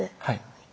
はい。